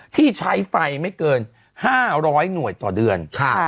ที่ใช้ไฟไม่เกิน๕๐๐หน่วยต่อเดือน